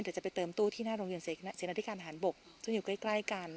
เดี๋ยวจะไปเติมตู้ที่หน้าโรงเรียนเสนอที่การอาหารบกจึงอยู่ใกล้ใกล้กัน